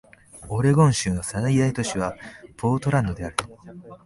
オレゴン州の最大都市はポートランドである